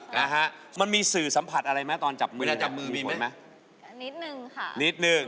นะฮะมันมีสื่อสัมผัสอะไรมั้ยตอนจับมือ